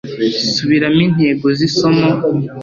subiramo intego z isomo